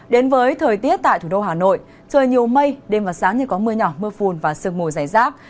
đến với thời tiết tại thủ đô hà nội trời nhiều mây đêm và sáng như có mưa nhỏ mưa phun và sương mùi rải rác